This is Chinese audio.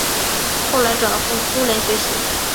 后来转赴苏联学习。